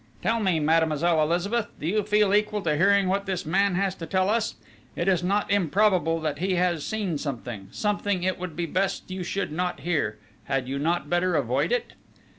"Tell me, Mademoiselle Elizabeth, do you feel equal to hearing what this man has to tell us? It is not improbable that he has seen something something it would be best you should not hear had you not better avoid it?"